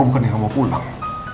bukan yang mau pulang